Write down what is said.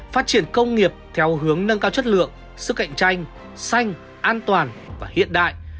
phát triển công nghiệp theo hướng nâng cao chất lượng sức cạnh tranh xanh an toàn và hiện đại